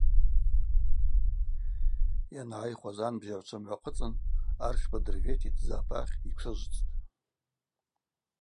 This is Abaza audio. Йангӏайхуаз анбжьагӏвчва мгӏвахъвыцӏын Аршба Дырвег йтдзы апахь йтшыжвцӏтӏ.